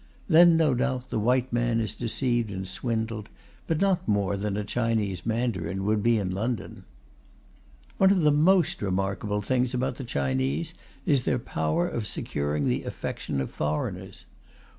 Then, no doubt, the white man is deceived and swindled; but not more than a Chinese mandarin would be in London. One of the most remarkable things about the Chinese is their power of securing the affection of foreigners.